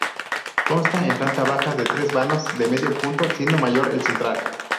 Consta, en planta baja, de tres vanos de medio punto, siendo mayor el central.